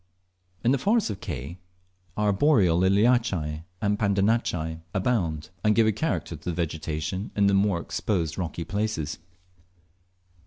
In the forests of Ke, arboreal Liliaceae and Pandanaceae abound, and give a character to the vegetation in the more exposed rocky places.